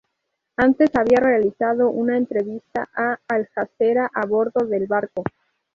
Antes había realizado una entrevista a "Al Jazeera" a bordo del barco.